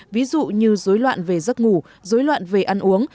ví dụ như dối loạn về giấc ngủ dối loạn về ăn uống